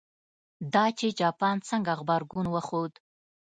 دا چې جاپان څنګه غبرګون وښود.